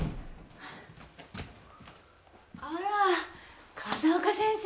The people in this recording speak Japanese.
あら風丘先生。